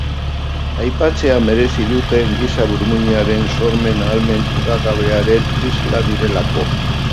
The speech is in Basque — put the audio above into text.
Aipatzea merezi dute giza burmuinaren sormen ahalmen mugagabearen isla direlako.